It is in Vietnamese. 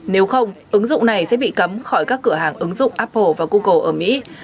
nếu không ứng dụng này sẽ bị cấm khỏi các cửa hàng ứng dụng apple và google ở mỹ